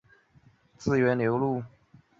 自动化程度为亚洲之首。